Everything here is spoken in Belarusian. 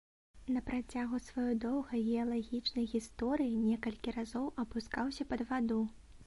На працягу сваёй доўгай геалагічнай гісторыі некалькі разоў апускаўся пад ваду.